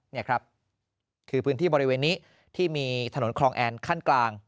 นี่ครับคือพื้นที่บริเวณนี้ที่มีถนนคลองแอนขั้นกลาง